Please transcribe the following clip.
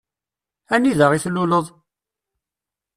Anida i tluleḍ?